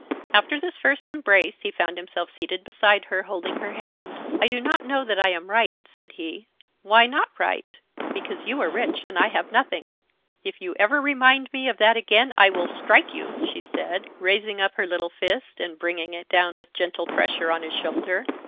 After this first embrace he found himself seated beside her, holding her hand. "I do not know that I am right," said he. "Why not right?" "Because you are rich and I have nothing." "If you ever remind me of that again I will strike you," she said, raising up her little fist and bringing it down with gentle pressure on his shoulder.